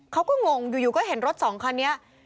งงอยู่ก็เห็นรถสองคันนี้